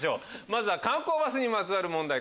まずは観光バスにまつわる問題